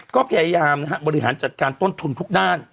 ก็พยายามบริหารจัดการต้นทุนทุกด้าน